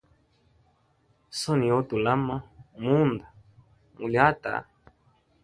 Soni yo utalama munda muli hati.